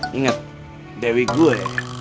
ingat dewi gue